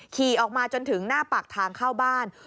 ขี่ออกมาจนถึงหน้าปากทางเข้าบ้าน